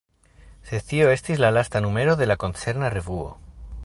Sed tio estis la lasta numero de koncerna revuo.